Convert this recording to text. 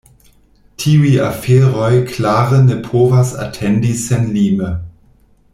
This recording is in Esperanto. Tiuj aferoj klare ne povas atendi senlime.